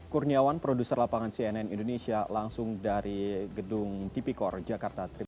kurniawan produser lapangan cnn indonesia langsung dari gedung tipikor jakarta